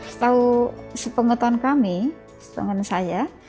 setahu sepenguatan kami sepenguatan saya